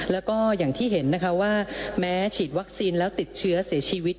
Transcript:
แล้วก็อย่างที่เห็นนะคะว่าแม้ฉีดวัคซีนแล้วติดเชื้อเสียชีวิต